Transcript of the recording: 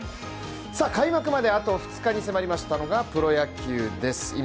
開幕まであと２日に迫りましたのがプロ野球です。